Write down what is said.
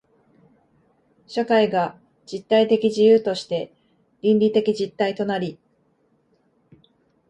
社会が実体的自由として倫理的実体となり、